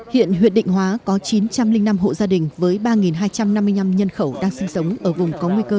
hiện huyện định hóa có chín trăm linh năm hộ gia đình với ba hai trăm năm mươi năm nhân khẩu đang sinh sống ở vùng có nguy cơ